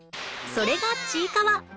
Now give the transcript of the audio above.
それが『ちいかわ』！